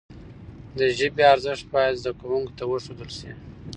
د ژبي ارزښت باید زدهکوونکو ته وښودل سي.